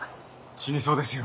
死にそうですよ。